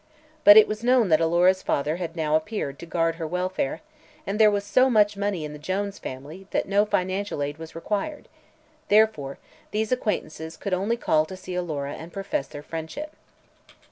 But it was known that Alora's father had now appeared to guard her welfare and there was "so much money in the Jones family" that no financial aid was required; therefore, these acquaintances could only call to see Alora and profess their friendship.